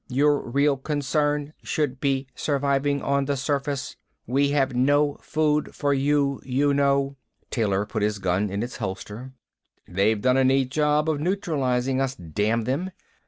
Your real concern should be surviving on the surface. We have no food for you, you know." Taylor put his gun in its holster. "They've done a neat job of neutralizing us, damn them.